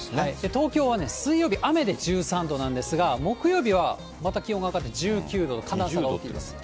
東京は水曜日、雨で１３度なんですが、木曜日はまた気温が上がって、１９度と寒暖差が大きいです。